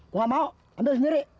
gue gak mau ambil sendiri